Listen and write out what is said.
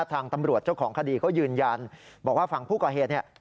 ทางตำรวจเจ้าของคดีเขายืนยันบอกว่าฝั่งผู้ก่อเหตุเนี่ย